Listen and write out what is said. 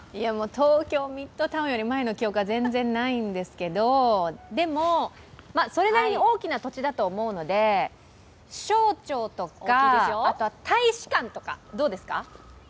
東京ミッドタウンより前の記憶が全然ないんですけどでもそれなりに大きな土地だと思うので、省庁とか大使館とか、どうですか？